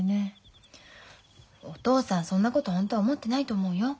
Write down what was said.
お父さんそんなことホントは思ってないと思うよ。